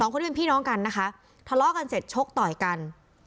คนที่เป็นพี่น้องกันนะคะทะเลาะกันเสร็จชกต่อยกัน